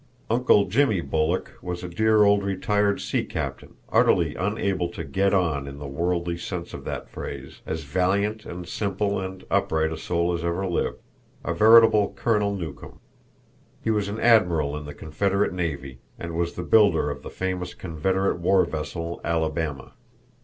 "Uncle Jimmy" Bulloch was a dear old retired sea captain, utterly unable to "get on" in the worldly sense of that phrase, as valiant and simple and upright a soul as ever lived, a veritable Colonel Newcome. He was an Admiral in the Confederate navy, and was the builder of the famous Confederate war vessel Alabama.